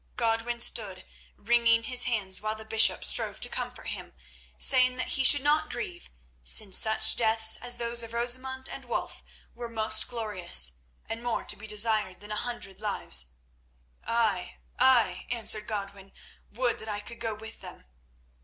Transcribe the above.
Godwin stood wringing his hands while the bishop strove to comfort him, saying that he should not grieve, since such deaths as those of Rosamund and Wulf were most glorious, and more to be desired than a hundred lives. "Ay, ay," answered Godwin, "would that I could go with them!"